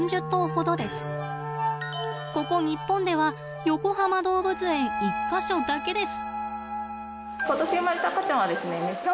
ここ日本ではよこはま動物園１か所だけです。